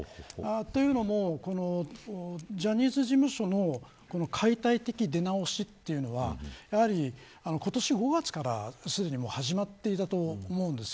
というのもジャニーズ事務所の解体的出直しというのは今年５月からすでにもう始まっていたと思うんです。